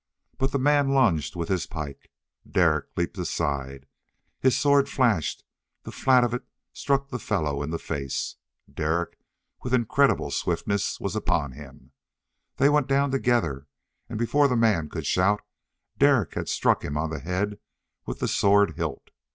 But the man lunged with his pike. Derek leaped aside. His sword flashed; the flat of it struck the fellow in the face. Derek, with incredible swiftness, was upon him. They went down together and before the man could shout, Derek had struck him on the head with the sword hilt.